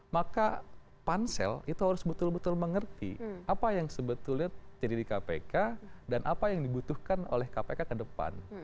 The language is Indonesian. maka pansel itu harus betul betul mengerti apa yang sebetulnya jadi di kpk dan apa yang dibutuhkan oleh kpk ke depan